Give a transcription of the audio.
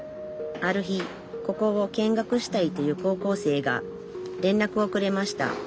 ある日ここを見学したいという高校生がれんらくをくれました。